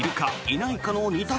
いないか？の２択